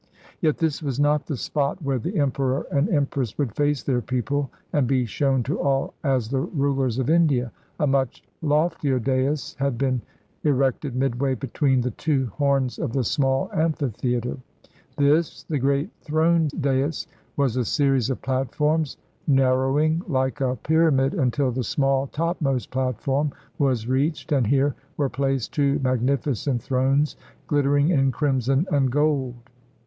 Yet this was not the spot where the Emperor and Empress would face their people, and be shown to all as the rulers of India. A much loftier dais had been erected midway between the two horns of the small amphitheater. This, the great throne dais, was a series of platforms, narrowing Uke a pyramid, until the small, topmost platform was reached, and here were placed two magnificent thrones, gHttering in crimson and gold.